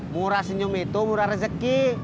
murah senyum itu murah rezeki